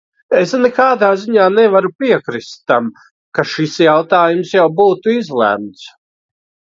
Es nekādā ziņā nevaru piekrist tam, ka šis jautājums jau būtu izlemts.